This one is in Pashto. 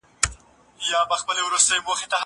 که وخت وي، مړۍ خورم!!